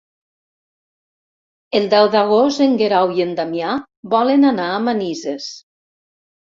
El deu d'agost en Guerau i en Damià volen anar a Manises.